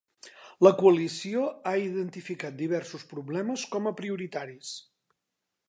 La Coalició ha identificat diversos problemes com a prioritaris.